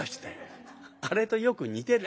あれとよく似てる。